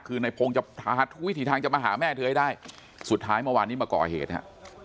คือในพงศ์จะหาทุกวิถีทางจะมาหาแม่เธอให้ได้สุดท้ายเมื่อวานนี้มาก่อเหตุฮะ